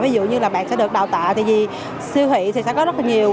ví dụ như là bạn sẽ được đào tạo thì vì siêu thị thì sẽ có rất là nhiều